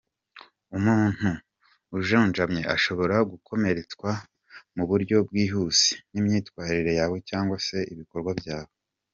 Umuntu ujunjamye ashobora gukomeretswa mu buryo bwihuse n’imyitwarire yawe cyangwa se ibikorwa byawe.